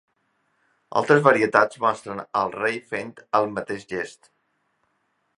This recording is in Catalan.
Altres varietats mostren al rei fent el mateix gest.